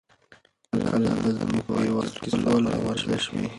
کله به زموږ په هېواد کې سوله او ورزش وي؟